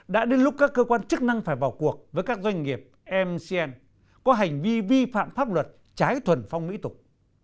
đã đến lúc các cơ quan chức năng phải vào cuộc với các doanh nghiệp mcn có hành vi vi phạm pháp luật trái thuần phong mỹ tục